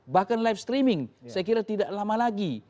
bahkan live streaming saya kira tidak lama lagi